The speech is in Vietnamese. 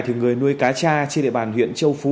thì người nuôi cá cha trên địa bàn huyện châu phú